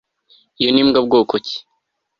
Iyi ni imbwa bwoko ki